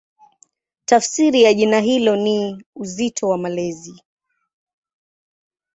Tafsiri ya jina hilo ni "Uzito wa Malezi".